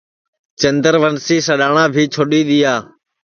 چندوسی سڈؔاٹؔا بھی چھوڈؔی دؔیا